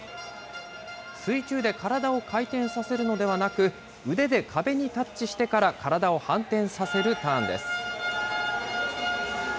水中で体を回転させるのではなく、腕で壁にタッチしてから体を反転させるターンです。